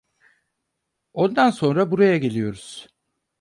Ondan sonra buraya geliyoruz.